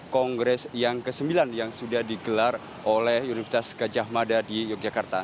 kongres yang ke sembilan yang sudah digelar oleh universitas gajah mada di yogyakarta